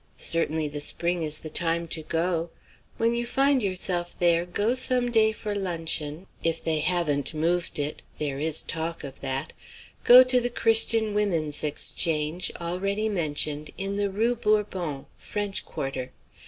Certainly, the spring is the time to go. When you find yourself there go some day for luncheon if they haven't moved it, there is talk of that, go to the Christian Women's Exchange, already mentioned, in the Rue Bourbon, French Quarter.